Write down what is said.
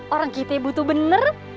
orang kita butuh bener